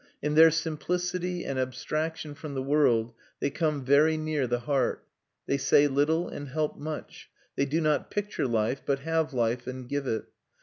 In their simplicity and abstraction from the world they come very near the heart. They say little and help much. They do not picture life, but have life, and give it.